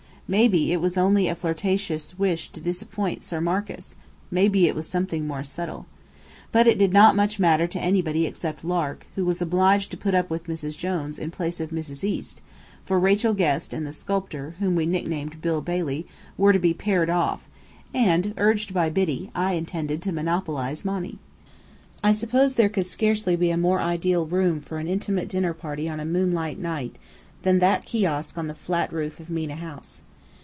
Maybe it was only a flirtatious wish to disappoint Sir Marcus maybe it was something more subtle. But it did not matter much to anybody except Lark, who was obliged to put up with Mrs. Jones in place of Mrs. East; for Rachel Guest and the sculptor, whom we nicknamed "Bill Bailey" were to be paired off: and, urged by Biddy, I intended to monopolize Monny. I suppose there could scarcely be a more ideal room for an intimate dinner party on a moonlight night than that kiosk on the flat roof of Mena House.